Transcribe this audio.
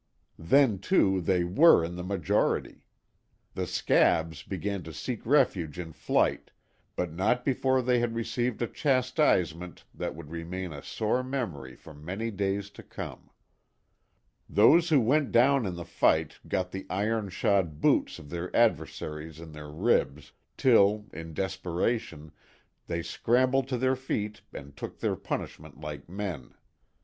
Then, too, they were in the majority. The "scabs" began to seek refuge in flight, but not before they had received a chastisement that would remain a sore memory for many days to come. Those who went down in the fight got the iron shod boots of their adversaries in their ribs, till, in desperation, they scrambled to their feet and took their punishment like men.